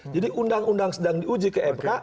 jadi undang undang sedang diuji ke mk